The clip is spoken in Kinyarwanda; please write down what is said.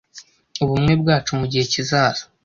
ubumwe bwacu mugihe kizaza